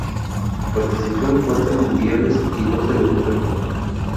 Participó en cuatro Mundiales y dos Eurocopas.